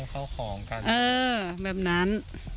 เออแบบนั้น